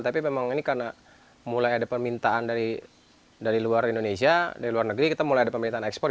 tapi memang ini karena mulai ada permintaan dari luar indonesia dari luar negeri kita mulai ada permintaan ekspor